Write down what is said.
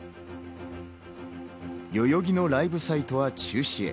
代々木のライブサイトは中止へ。